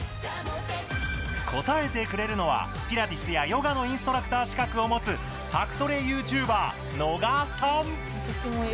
答えてくれるのはピラティスやヨガのインストラクター資格を持つ宅トレＹｏｕＴｕｂｅｒのがさん。